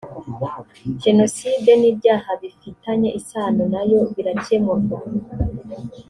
jenoside n ibyaha bifitanye isano na yo birakemurwa